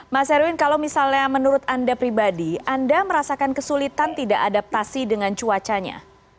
mas erwin kalau misalnya menurut anda pribadi anda merasakan kesulitan tidak adaptasi dengan cuacanya